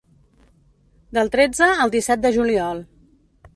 Del tretze al disset de juliol.